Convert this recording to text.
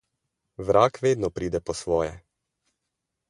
Vrag vedno pride po svoje.